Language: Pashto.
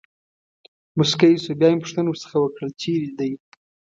مسکی شو، بیا مې پوښتنه ورڅخه وکړل: چېرې دی.